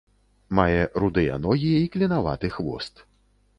Мае рудыя ногі і клінаваты хвост.